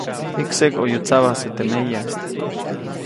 Jikseʼk ʼoyu tsabajse teʼ meya.